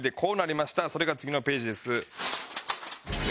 そしてそれが次のページです。